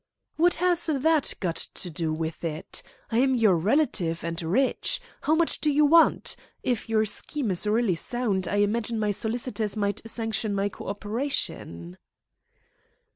"What has that got to do with it? I am your relative, and rich. How much do you want? If your scheme is really sound, I imagine my solicitors might sanction my co operation."